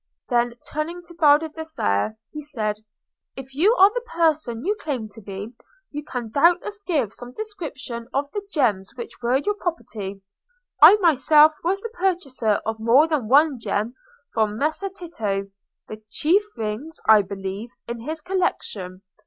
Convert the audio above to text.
Then turning to Baldassarre, he said, "If you are the person you claim to be, you can doubtless give some description of the gems which were your property. I myself was the purchaser of more than one gem from Messer Tito—the chief rings, I believe, in his collection.